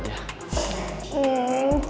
udah tengah aja